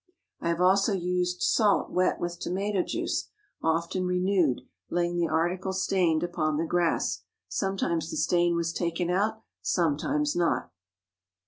I have also used salt wet with tomato juice, often renewed, laying the article stained upon the grass. Sometimes the stain was taken out, sometimes not.